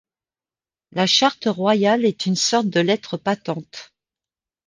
La charte royale est une sorte de lettre patente.